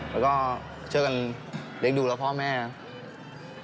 แล้วก็เชื่อกันเล่นดูแล้วพ่อแม่ครับ